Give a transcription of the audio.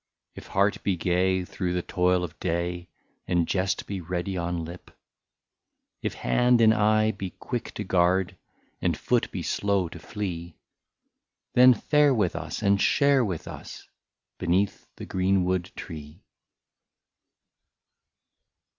If heart be gay through the toil of day, And jest be ready on lip ; If hand and eye be quick to guard, And foot be slow to flee, — Then fare with us, and share with us. Beneath the greenwood tree.